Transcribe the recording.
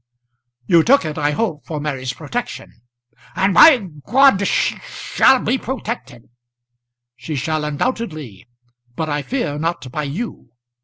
"You took it, I hope, for Mary's protection." "And by she shall be protected." "She shall, undoubtedly; but I fear not by you.